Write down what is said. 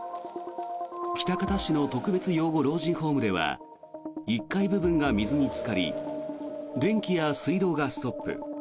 喜多方市の特別養護老人ホームでは１階部分が水につかり電気や水道がストップ。